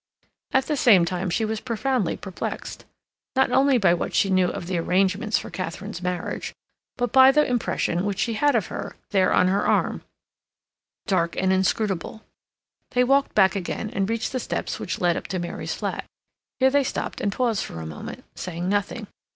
At the same time she was profoundly perplexed, not only by what she knew of the arrangements for Katharine's marriage, but by the impression which she had of her, there on her arm, dark and inscrutable. They walked back again and reached the steps which led up to Mary's flat. Here they stopped and paused for a moment, saying nothing.